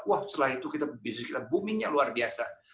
wah setelah itu kita bisnis kita boomingnya luar biasa